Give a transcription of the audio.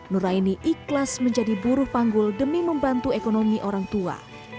nuraini ikhlas menjadi buruh panggul demi membantu ekonomi orang tua